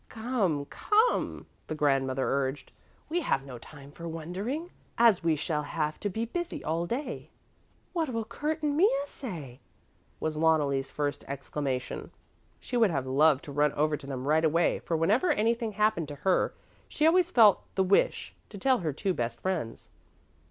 "Come, come," the grandmother urged, "we have no time for wondering, as we shall have to be busy all day." "What will Kurt and Mea say?" was Loneli's first exclamation. She would have loved to run over to them right away, for whenever anything happened to her she always felt the wish to tell her two best friends.